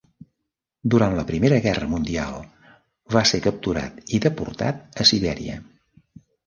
Durant la Primera Guerra Mundial va ser capturat i deportat a Sibèria.